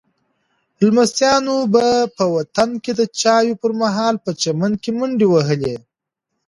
لمسیانو به په وطن کې د چایو پر مهال په چمن کې منډې وهلې.